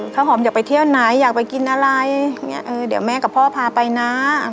ข้าวหอมอยากไปเที่ยวไหนอยากไปกินอะไรอย่างนี้เออเดี๋ยวแม่กับพ่อพาไปนะ